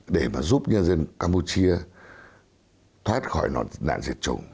để mà giúp nhân dân campuchia thoát khỏi nạn diệt chủng